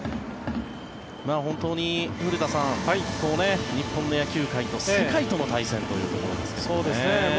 本当に古田さん日本の野球界と世界との対戦ということですけどね。